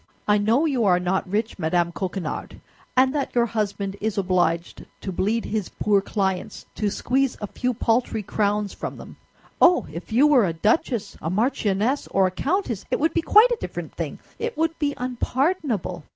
I know you are not rich, Madame Coquenard, and that your husband is obliged to bleed his poor clients to squeeze a few paltry crowns from them. Oh! If you were a duchess, a marchioness, or a countess, it would be quite a different thing; it would be unpardonable."